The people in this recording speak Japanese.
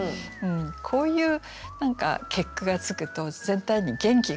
こういう何か結句がつくと全体に元気が出ませんか？